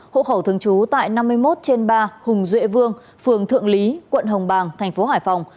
hộ khẩu thường trú tại năm mươi một trên ba hùng duệ vương phường thượng lý quận hồng bàng thành phố hải phòng